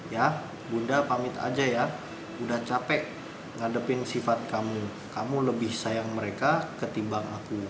ya bunda pamit aja ya udah capek ngadepin sifat kamu kamu lebih sayang mereka ketimbang aku